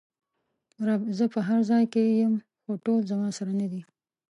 رب: زه په هر ځای کې ېم خو ټول زما سره ندي!